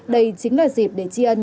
đây chính là dịp để chia sẻ